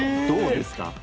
どうですか？